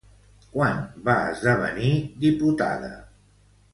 Quan va esdevenir diputada?